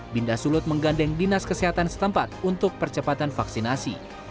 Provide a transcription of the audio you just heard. binda sulut menggandeng dinas kesehatan setempat untuk percepatan vaksinasi